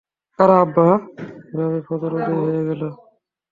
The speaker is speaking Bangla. এভাবেই ফজর উদয় হয়ে গেল।